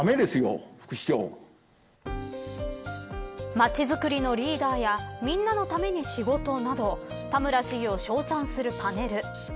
町づくりのリーダーやみんなのために仕事、など田村市議を称賛するパネル。